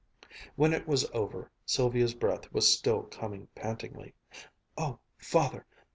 When it was over, Sylvia's breath was still coming pantingly. "Oh, Father!